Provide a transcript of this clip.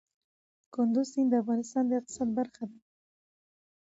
کندز سیند د افغانستان د اقتصاد برخه ده.